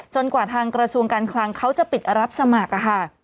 กว่าทางกระทรวงการคลังเขาจะปิดรับสมัครค่ะ